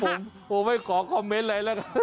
ผมไม่ขอคอมเม้นท์อะไรหรอก